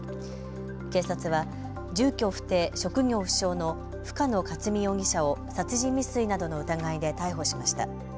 警察は住居不定、職業不詳の深野克己容疑者を殺人未遂などの疑いで逮捕しました。